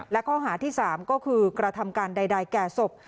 และข้อหาที่๓ก็คือกระทำการใดแก่ศพ